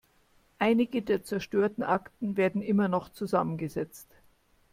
Einige der zerstörten Akten werden immer noch zusammengesetzt.